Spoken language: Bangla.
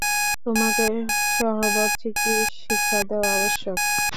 তোমাকে সহবত শিক্ষা দেওয়া আবশ্যক।